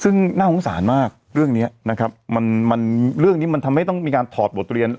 ซึ่งน่าสงสารมากเรื่องนี้นะครับมันเรื่องนี้มันทำให้ต้องมีการถอดบทเรียน